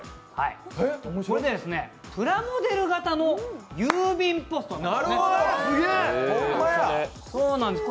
プラモデル型の郵便ポストなんです。